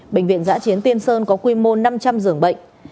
bệnh viện giã chiến tiên sơn có quy mô năm trăm linh giường bệnh